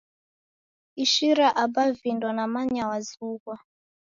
Ishira Aba vindo namanya wazughwa.